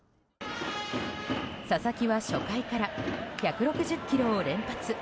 佐々木は初回から１６０キロを連発。